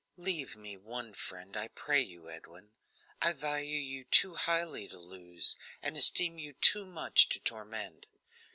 "Leave me one friend, I pray you, Edwin. I value you too highly to lose, and esteem you too much to torment.